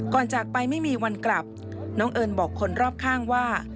จากไปไม่มีวันกลับน้องเอิญบอกคนรอบข้างว่า